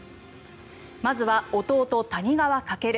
まずは弟・谷川翔。